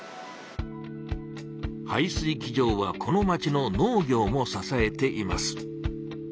排水機場はこの町の農業もささえています。